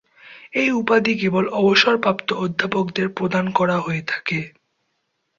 এই উপাধি কেবল অবসরপ্রাপ্ত অধ্যাপকদের প্রদান করা হয়ে থাকে।